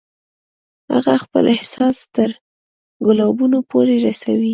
هغه خپل احساس تر ګلابونو پورې رسوي